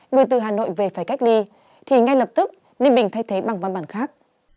người từ hà nội về phải cách ly thì ngay lập tức ninh bình thay thế bằng văn bản khác